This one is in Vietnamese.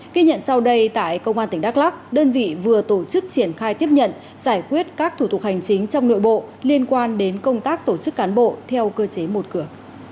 ghi nhận sau đây tại công an tỉnh đắk lắc đơn vị vừa tổ chức triển khai tiếp nhận giải quyết các thủ tục hành chính trong nội bộ liên quan đến công tác tổ chức cán bộ theo cơ chế một cửa